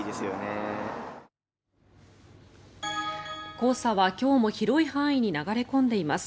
黄砂は今日も広い範囲に流れ込んでいます。